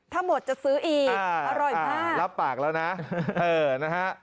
ถ้าหมดจะซื้ออีกอร่อยมากรับปากแล้วนะเออนะฮะ